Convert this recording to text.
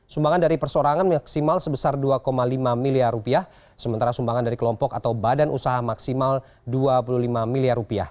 sumbangan dari persorangan maksimal sebesar rp dua lima miliar sementara sumbangan dari kelompok atau badan usaha maksimal rp dua puluh lima miliar